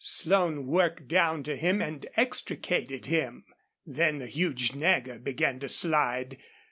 Slone worked down to him and extricated him. Then the huge Nagger began to slide.